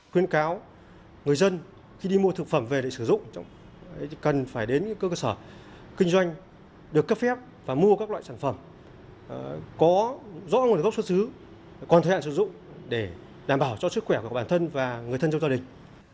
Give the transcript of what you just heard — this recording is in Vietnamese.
khuyến cáo người dân khi đi mua thực phẩm về để sử dụng cần phải đến cơ sở kinh doanh được cấp phép và mua các loại sản phẩm có rõ nguồn gốc xuất xứ còn thời hạn sử dụng để đảm bảo cho sức khỏe của bản thân và người thân trong gia đình